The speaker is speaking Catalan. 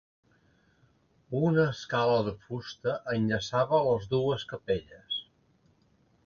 Una escala de fusta enllaçava les dues capelles.